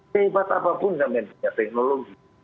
kehebatan apapun sampai teknologi